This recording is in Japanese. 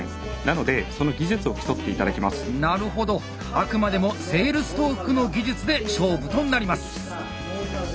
あくまでもセールストークの技術で勝負となります。